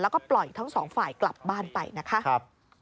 แล้วก็ปล่อยทั้งสองฝ่ายกลับบ้านไปนะคะ